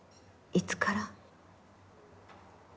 いつから？